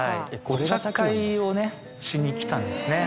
お茶会をねしに来たんですね。